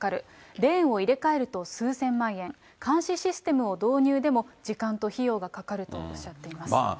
レーンを入れ替えると数千万円、監視システムを導入でも、時間と費用がかかるとおっしゃっています。